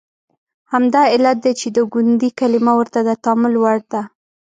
همدا علت دی چې د ګوندي کلمه ورته د تامل وړ ده.